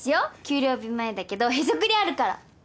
給料日前だけどへそくりあるから！